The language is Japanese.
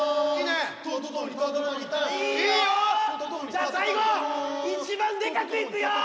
じゃあ最後一番でかくいくよ！